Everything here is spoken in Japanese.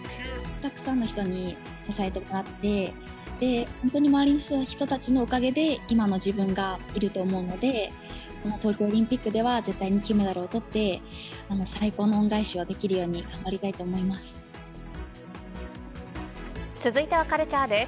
たくさんの人に支えてもらって、本当に周りの人たちのおかげで、今の自分がいると思うので、この東京オリンピックでは、絶対に金メダルをとって、最高の恩返しができるように頑張りたいと思います。